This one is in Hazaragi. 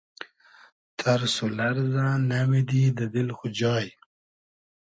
تئرس و لئرزۂ نئمیدی دۂ دیل خو جای